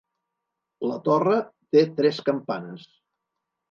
La torre té tres campanes.